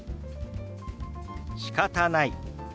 「しかたない」。